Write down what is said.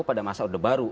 pada masa udah baru